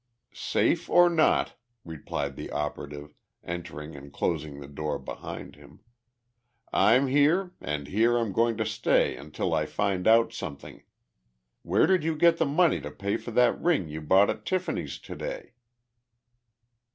"Safe or not," replied the operative, entering and closing the door behind him. "I'm here and here I'm going to stay until I find out something. Where did you get the money to pay for that ring you bought at Tiffany's to day?"